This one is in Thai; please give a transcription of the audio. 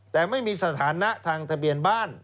แต่ไม่มีสถานะทางทะเบียนบ้าน